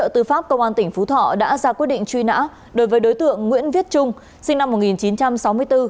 tư pháp công an tỉnh phú thọ đã ra quyết định truy nã đối với đối tượng nguyễn viết trung sinh năm một nghìn chín trăm sáu mươi bốn